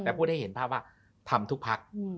แต่พูดให้เห็นภาพว่าทำทุกพัก